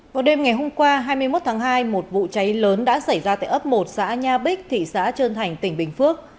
vào đêm ngày hôm qua hai mươi một tháng hai một vụ cháy lớn đã xảy ra tại ấp một xã nha bích thị xã trơn thành tỉnh bình phước